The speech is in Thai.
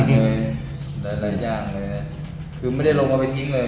เลยหลายอย่างเลยคือไม่ได้ลงเอาไปทิ้งเลย